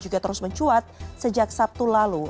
juga terus mencuat sejak sabtu lalu